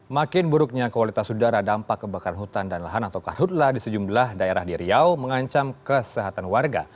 makin buruknya kualitas udara dampak kebakaran hutan dan lahan atau karhutlah di sejumlah daerah di riau mengancam kesehatan warga